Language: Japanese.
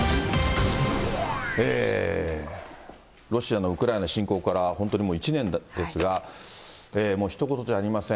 ロシアのウクライナ侵攻から、本当にもう１年ですが、もうひと事じゃありません。